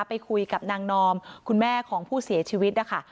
ไปคุยกับนางนอมคุณแม่ของผู้เสียชีวิตนะคะ